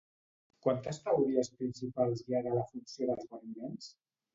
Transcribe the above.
Quantes teories principals hi ha de la funció dels guarniments?